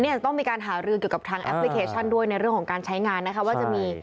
จะต้องมีการหารือเกี่ยวกับทางแอปพลิเคชันด้วยในเรื่องของการใช้งานนะคะว่าจะมี